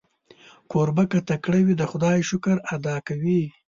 کوربه که تکړه وي، د خدای شکر ادا کوي.